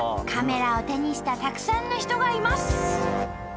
カメラを手にしたたくさんの人がいます！